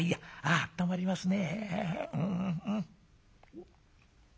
あったまりますね」。